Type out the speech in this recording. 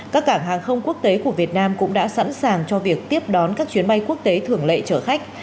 các cảng hàng không quốc tế của việt nam cũng đã sẵn sàng cho việc tiếp đón các chuyến bay quốc tế thường lệ chở khách